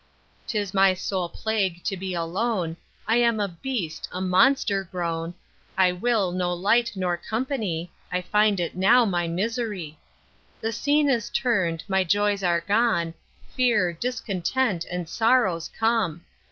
'Tis my sole plague to be alone, I am a beast, a monster grown, I will no light nor company, I find it now my misery. The scene is turn'd, my joys are gone, Fear, discontent, and sorrows come.